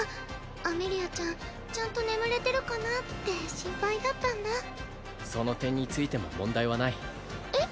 アメリアちゃんちゃんと眠れてるかなって心配だったんだその点についても問題はないえっ？